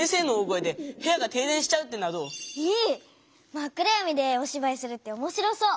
真っ暗やみでおしばいするっておもしろそう。